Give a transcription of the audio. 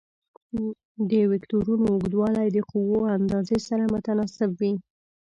د وکتورونو اوږدوالی د قوو اندازې سره متناسب وي.